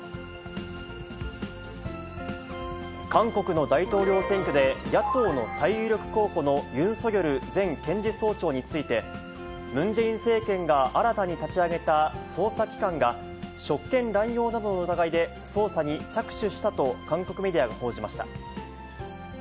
韓国の大統領選挙で、野党の最有力候補のユン・ソギョル前検事総長について、ムン・ジェイン政権が新たに立ち上げた捜査機関が、職権乱用などの疑いで捜査に着手したと韓国メディアが報じました。